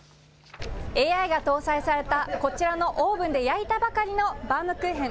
ＡＩが搭載されたこちらのオーブンで焼いたばかりのバウムクーヘン。